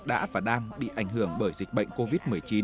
đã và đang bị ảnh hưởng bởi dịch bệnh covid một mươi chín